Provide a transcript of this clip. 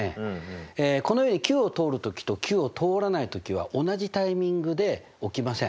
このようにＱを通る時とＱを通らない時は同じタイミングで起きません。